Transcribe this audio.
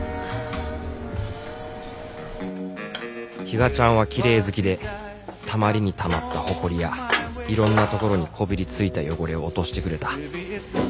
比嘉ちゃんはきれい好きでたまりにたまったホコリやいろんなところにこびりついた汚れを落としてくれた。